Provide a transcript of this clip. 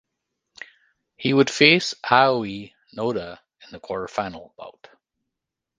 He would face Aoi Noda in the quarterfinal bout.